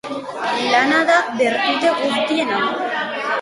Lana da bertute guztien ama.